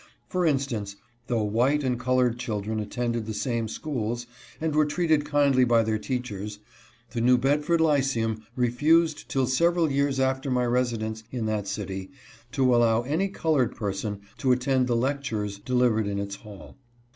For instance, though white and colored children attended the same schools and were treated kindly by their teach ers, the New Bedford Lyceum refused till several years after my residence in that city to allow any colored person to attend the lectures delivered in its hall.